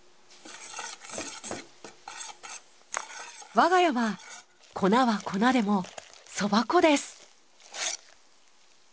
我が家は粉は粉でもそば粉です。